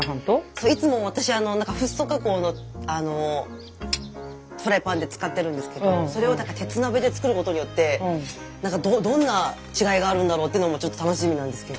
そういつも私フッ素加工のフライパンで使ってるんですけどそれを鉄鍋で作ることによってなんかどんな違いがあるんだろうってのもちょっと楽しみなんですけど。